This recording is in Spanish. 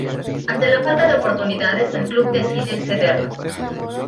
Ante la falta de oportunidades el club decide cederlo.